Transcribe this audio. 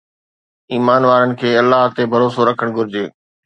ايمان وارن کي الله تي ڀروسو رکڻ گهرجي.